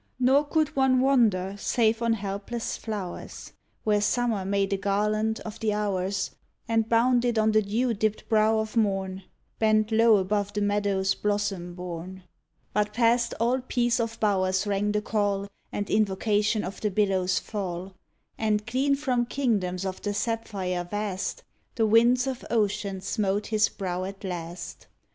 Nor could one wander save on helpless flow'rs, Where Summer made a garland of the hours And bound it on the dew dipt brow of Mom, Bent low above the meadow's blossom bourn. But past all peace of bowers rang the call And invocation of the billows' fall, And, clean from kingdoms of the sapphire vast. DUJNDON The winds of ocean smote his brow at last.